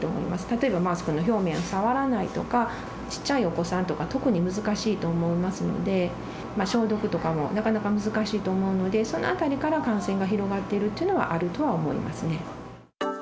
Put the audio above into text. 例えばマスクの表面を触らないとか、小っちゃいお子さんとか、特に難しいと思いますので、消毒とかもなかなか難しいと思うので、そのあたりから感染が広がっているというのはあるとは思いますね。